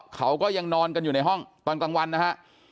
เขาก็ยังนอนกันอยู่ในห้องตอนกลางวันนะฮะ